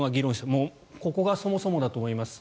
もうここがそもそもだと思います。